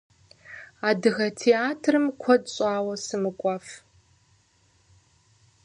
Адыгэ театрым куэд щӏауэ сымыкӏуэф.